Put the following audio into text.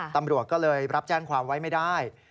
ตำรวจก็เลยรับแจ้งความไว้ไม่ได้